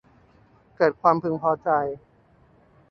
เกิดความพึงพอใจ